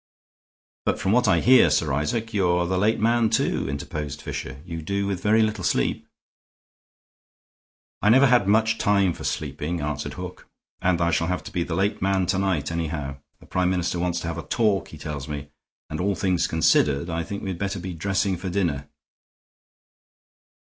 "But from what I hear, Sir Isaac, you are the late man, too," interposed Fisher. "You must do with very little sleep." "I never had much time for sleeping," answered Hook, "and I shall have to be the late man to night, anyhow. The Prime Minister wants to have a talk, he tells me, and, all things considered, I think we'd better be dressing for dinner."